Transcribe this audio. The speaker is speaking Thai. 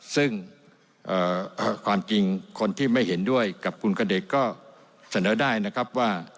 ซึ่งความจริงคนที่ไม่เห็นด้วยกับคุณกระเด็กก็เสนอได้นะครับว่า